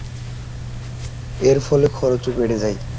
এর ফলে খরচও বেড়ে যায়।